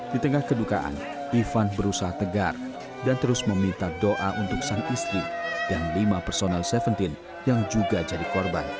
di tengah kedukaan ivan berusaha tegar dan terus meminta doa untuk sang istri dan lima personel tujuh belas yang juga jadi korban